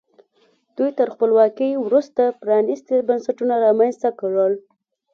دوی تر خپلواکۍ وروسته پرانیستي بنسټونه رامنځته کړل.